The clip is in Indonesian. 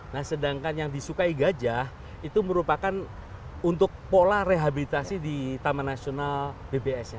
nah sedangkan yang disukai gajah itu merupakan untuk pola rehabilitasi di taman nasional bbs nya